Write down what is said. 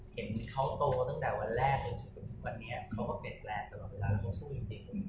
เห็นเขาโตตั้งแต่วันแรกวันนี้เขาก็เป็นแรงสำหรับเวลาต่อสู้จริง